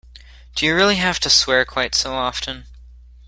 Do you really have to swear quite so often?